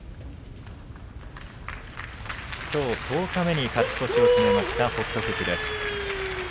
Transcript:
きょう十日目に勝ち越しを決めました北勝富士。